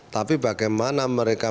tapi bagaimana mereka